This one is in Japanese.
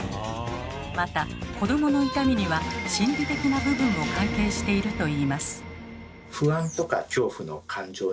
また子どもの痛みには心理的な部分も関係しているといいます。